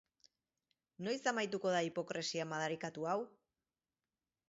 Noiz amaituko da hipokresia madarikatu hau?